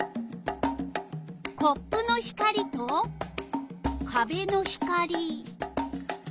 コップの光とかべの光。